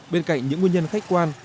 bên cạnh những nguyên nhân khách quan